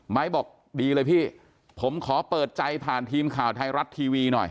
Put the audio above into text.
บอกดีเลยพี่ผมขอเปิดใจผ่านทีมข่าวไทยรัฐทีวีหน่อย